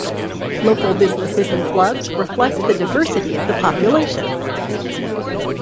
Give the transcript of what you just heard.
Local businesses and clubs reflect the diversity of the population.